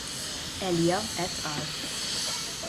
Elia et al.